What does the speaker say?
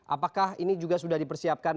apakah ini juga sudah dipersiapkan